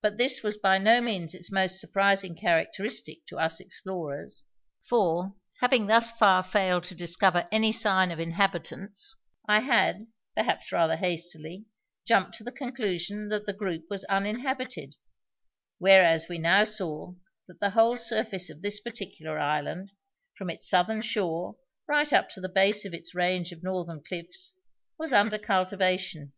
But this was by no means its most surprising characteristic to us explorers. For, having thus far failed to discover any sign of inhabitants, I had, perhaps rather hastily, jumped to the conclusion that the group was uninhabited, whereas we now saw that the whole surface of this particular island, from its southern shore right up to the base of its range of northern cliffs, was under cultivation.